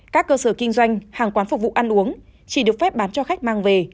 các cơ sở kinh doanh hàng quán phục vụ ăn uống chỉ được phép bán cho khách mang về